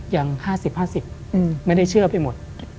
อย่าง๕๐๕๐ไม่ได้เชื่อไปหมด